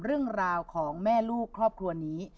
เรื่องราวของแม่ลูกครอบครัวนี้